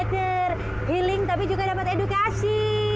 eter healing tapi juga dapat edukasi